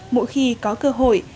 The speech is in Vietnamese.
mỗi khi có cơ hội